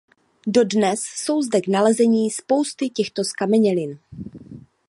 Dodnes jsou zde k nalezení spousty těchto zkamenělin.